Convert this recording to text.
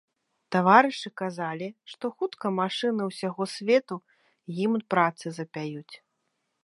Таварышы казалі, што хутка машыны ўсяго свету гімн працы запяюць.